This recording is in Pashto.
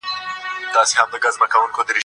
هغه غریبان چي مرستې ته اړتیا لري باید وموندل سي.